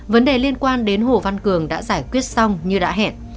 vấn đề liên quan đến hồ văn cường đã giải quyết xong như đã hẹn